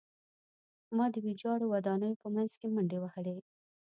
ما د ویجاړو ودانیو په منځ کې منډې وهلې